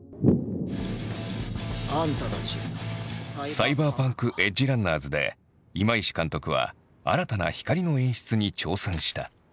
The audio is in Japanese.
「サイバーパンク：エッジランナーズ」で今石監督は新たな光の演出に挑戦した。